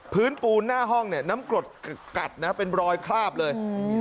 พื้นปูหน้าห้องน้ำกรดกัดเป็นรอยคราบเลย